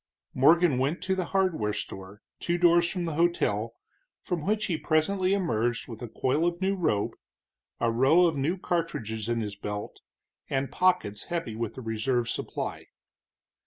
Morgan went to the hardware store, two doors from the hotel, from which he presently emerged with a coil of new rope, a row of new cartridges in his belt, and pockets heavy with a reserve supply.